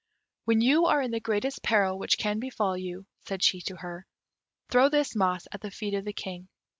"When you are in the greatest peril which can befall you," said she to her, "throw this moss at the feet of the King."